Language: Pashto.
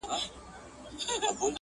د شنو طوطیانو د کلونو کورګی.!